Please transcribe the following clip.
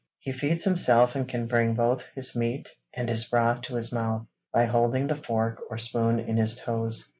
'He feeds himself and can bring both his meat and his broth to his mouth, by holding the fork or spoon in his toes.